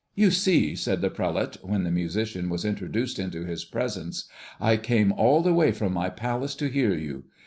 "You see," said the prelate, when the musician was introduced into his presence, "I came all the way from my palace to hear you.